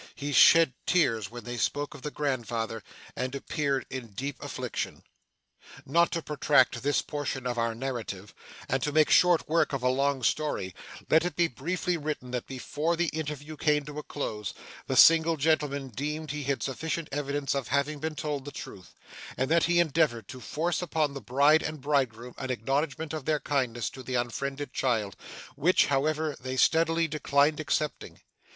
He shed tears when they spoke of the grandfather, and appeared in deep affliction. Not to protract this portion of our narrative, and to make short work of a long story, let it be briefly written that before the interview came to a close, the single gentleman deemed he had sufficient evidence of having been told the truth, and that he endeavoured to force upon the bride and bridegroom an acknowledgment of their kindness to the unfriended child, which, however, they steadily declined accepting.